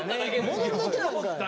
戻るだけなんかい。